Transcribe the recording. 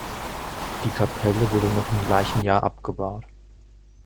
Die Kapelle wurde noch im gleichen Jahr abgebaut.